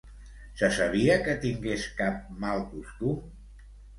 Se sabia que tingués cap mal costum?